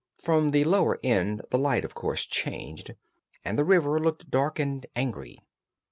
From the lower end the light, of course, changed, and the river looked dark and angry.